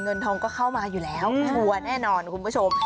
เงินทองก็เข้ามาอยู่แล้วชัวร์แน่นอนคุณผู้ชม